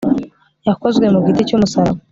Yakozwe mu giti cyumusaraba